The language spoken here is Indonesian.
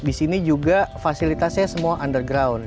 di sini juga fasilitasnya semua underground